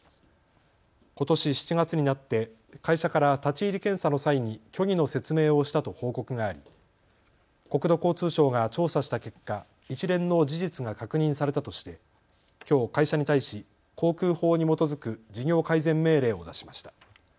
ことし７月になって会社から立ち入り検査の際に虚偽の説明をしたと報告があり国土交通省が調査した結果、一連の事実が確認されたとしてきょう会社に対し航空法に基づく事業改善命令を出しました。